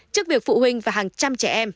trước việc phụ huynh và hàng trăm trẻ em